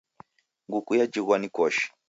Nguku yajighwa ni koshi